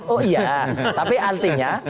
oh iya tapi artinya